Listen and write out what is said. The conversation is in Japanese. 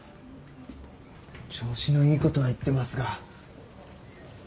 調子のいいことは言ってますが。